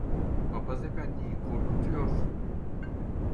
Papaz efendiyi korkutuyorsun.